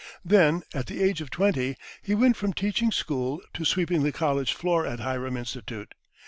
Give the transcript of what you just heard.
Then, at the age of twenty, he went from teaching school to sweeping the college floor at Hiram Institute.